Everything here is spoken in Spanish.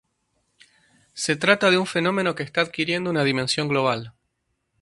Se trata de un fenómeno que está adquiriendo una dimensión global.